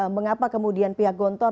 mengapa kemudian pihak gontor